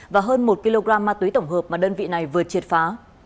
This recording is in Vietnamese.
và hơn một kg ma túy tổng hợp mà đơn vị này vừa triệt phá